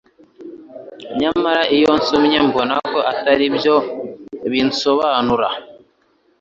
nyamara iyo nsomye mbona ko atari byo binsobanura